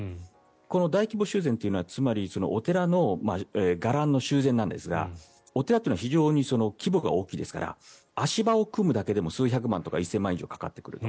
この大規模修繕というのはつまりお寺の伽藍の修繕なんですがお寺というのは非常に規模が大きいですから足場を組むだけでも数百万とか１０００万以上かかってくると。